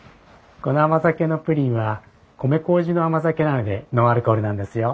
この甘酒のプリンは米麹の甘酒なのでノンアルコールなんですよ。